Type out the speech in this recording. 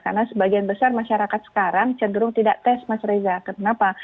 karena sebagian besar masyarakat sekarang cenderung tidak tes mas reza kenapa